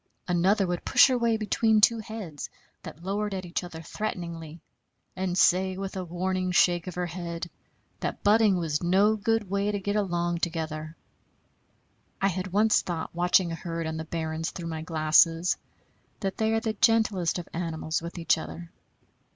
Another would push her way between two heads that lowered at each other threateningly, and say with a warning shake of her head that butting was no good way to get along together. I had once thought, watching a herd on the barrens through my glasses, that they are the gentlest of animals with each other.